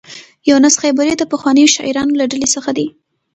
یونس خیبري د پخوانیو شاعرانو له ډلې څخه دی.